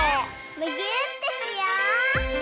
むぎゅーってしよう！